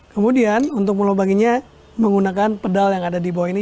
kemudian untuk pulau baginya menggunakan pedal yang ada di bawah ini